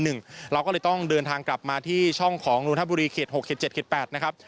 เราก็เลยต้องเดินทางกลับมาที่ช่องของนนทบุรีเขต๖๗เขต๘นะครับ